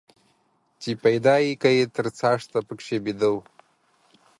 چې پيدا يې کى تر څاښته پکښي بيده وو.